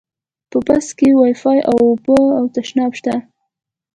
په بس کې وایفای، اوبه او تشناب شته.